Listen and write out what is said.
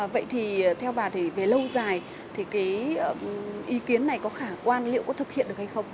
vậy thì theo bà thì về lâu dài thì cái ý kiến này có khả quan liệu có thực hiện được hay không